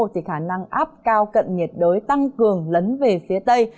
thì khả năng áp cao cận nhiệt đới tăng cường lấn về phía tây